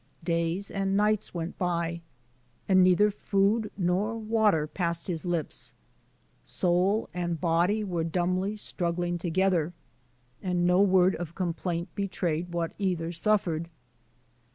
Days and nights went by, and neith^ food nc^ water passed his 1^. Soul and body were dumbly struggling together, and no word of complaint betrayed what either suffered.